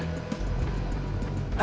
gue mau ke kamar